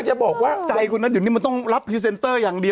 จับมาใช้เลยตอนนี้